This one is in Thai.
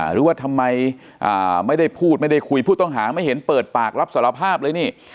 หรือว่าทำไมไม่ได้พูดไม่ได้คุยผู้ต้องหาไม่เห็นเปิดปากรับสารภาพเลยนี่